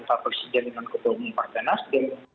pak presiden dan ketua umum pak jokowi dan nasdem